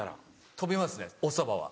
飛びますねおそばは。